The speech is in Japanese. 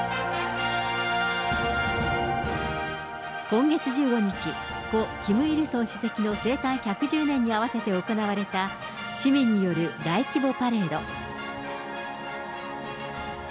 今月１４日、故・キム・イルソン主席の生誕１１０年に合わせて行われた市民による大規模パレード。